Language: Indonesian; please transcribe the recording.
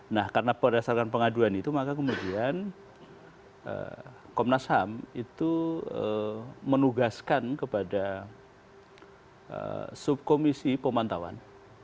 nah karena berdasarkan pengaduan itu maka kemudian komnas ham itu menugaskan kepada subkomisi pemantauan